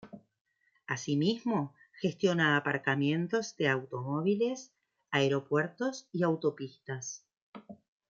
Asimismo, gestiona aparcamientos de automóviles, aeropuertos y autopistas.